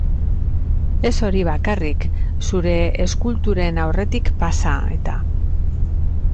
Ez hori bakarrik, zure eskulturen aurretik pasa, eta.